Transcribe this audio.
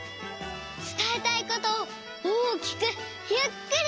つたえたいことを大きくゆっくりはなす。